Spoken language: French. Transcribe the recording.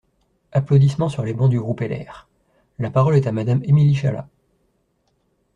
(Applaudissements sur les bancs du groupe LR.) La parole est à Madame Émilie Chalas.